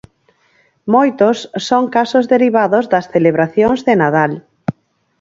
Moitos son casos derivados das celebracións de Nadal.